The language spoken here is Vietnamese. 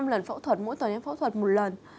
năm lần phẫu thuật mỗi tuần em phẫu thuật một lần